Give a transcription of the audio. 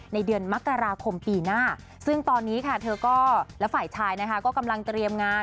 เดือนมกราคมปีหน้าซึ่งตอนนี้ค่ะเธอก็และฝ่ายชายนะคะก็กำลังเตรียมงาน